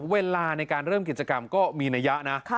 เวลาในการเริ่มกิจกรรมก็มีนัยยะนะ